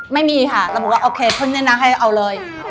ไม่มีค่ะเราบอกว่าโอเคพรุ่งแน่นักให้เอาเลย